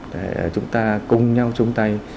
để chúng ta cùng nhau chung tay